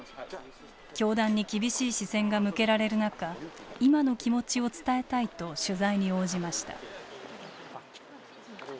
教団に厳しい視線が向けられる中今の気持ちを伝えたいと取材に応じました。